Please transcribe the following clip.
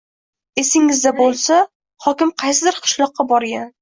Esingizda boʻlsa, hokim qaysidir qishloqqa borgan